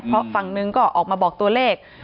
เพราะฝั่งนึงก็ออกมาบอกตัวเลข